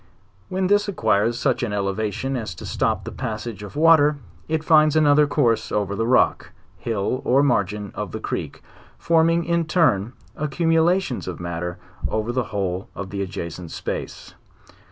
When this acquires such an elevation as to stop the passage of the water, it finds another course over the rock, hill, or margin of the creek, forming ia turn, accumulations of matter over the whole of the adjacent space.